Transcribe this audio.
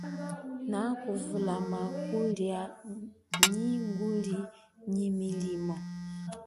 Nakuvulama kulia nyi nguli nyi milimo.